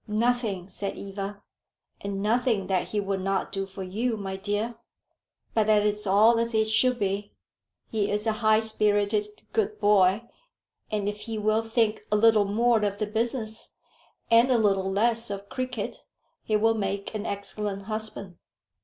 "Nothing!" said Eva. "And nothing that he would not do for you, my dear. But that is all as it should be. He is a high spirited, good boy; and if he will think a little more of the business and a little less of cricket, he will make an excellent husband."